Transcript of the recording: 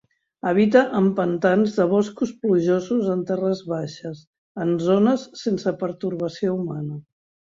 Habita en pantans de boscos plujosos en terres baixes, en zones sense pertorbació humana.